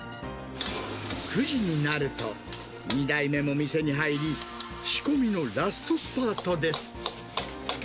９時になると、２代目も店に入り、仕込みのラストスパートです。